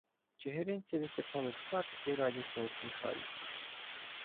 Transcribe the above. Чигиринці висипали з хат і радісно усміхаються.